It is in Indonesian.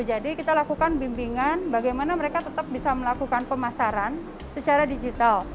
jadi kita lakukan bimbingan bagaimana mereka tetap bisa melakukan pemasaran secara digital